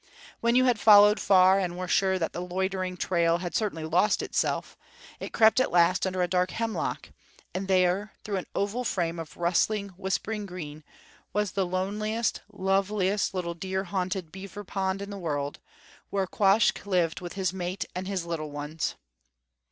When you had followed far, and were sure that the loitering trail had certainly lost itself, it crept at last under a dark hemlock; and there, through an oval frame of rustling, whispering green, was the loneliest, loveliest little deer haunted beaver pond in the world, where Quoskh lived with his mate and his little ones.